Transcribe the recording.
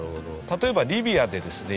例えばリビアでですね